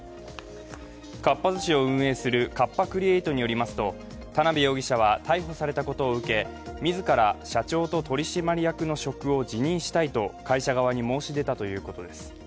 かっぱ寿司を運営するカッパ・クリエイトによりますと田辺容疑者は逮捕されたことを受け、自ら社長と取締役の職を辞任したいと会社側に申し出たということです。